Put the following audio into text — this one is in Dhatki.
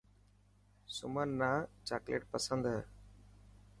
سمن نا چاڪليٽ پسند هي